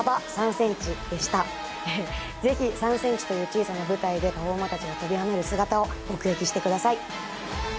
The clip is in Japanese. ぜひ３ｃｍという小さな舞台でパフォーマーたちが跳びはねる姿を目撃してください。